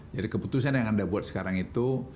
jadi keputusan yang anda buat sekarang itu